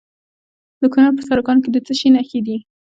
د کونړ په سرکاڼو کې د څه شي نښې دي؟